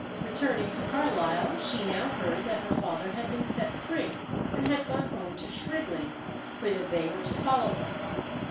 Returning to Carlisle, she now heard that her father had been set free, and had gone home to Shrigley, whither they were to follow him.